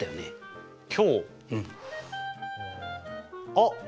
あっ！